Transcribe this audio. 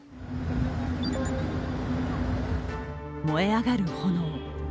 燃え上がる炎。